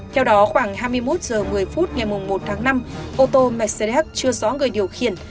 theo đó khoảng hai mươi một h một mươi phút ngày một tháng năm ô tô mercedes chưa rõ người điều khiển